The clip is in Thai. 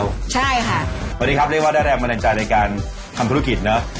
วันนี้ครับได้แรงมาแนะใจในการทำธุรกิจเนอะ